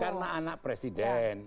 karena anak presiden